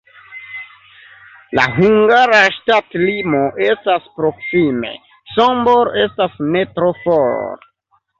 La hungara ŝtatlimo estas proksime, Sombor estas ne tro for.